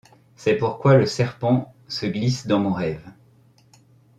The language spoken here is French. C'est pourquoi le serpent se glisse dans mon rêve ;